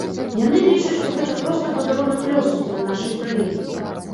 Яны лічаць, што гэта проста падарунак лёсу для нашай краіны.